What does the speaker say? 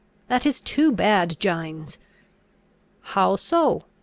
that is too bad, Gines!" "How so?"